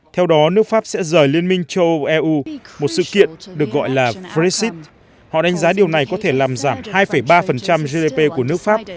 theo đó nước pháp sẽ rời liên minh châu âu eu một sự kiện được gọi là brexit họ đánh giá điều này có thể làm giảm hai ba gdp của nước pháp